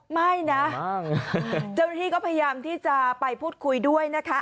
ไม่นะเจ้าหน้าที่ก็พยายามที่จะไปพูดคุยด้วยนะคะ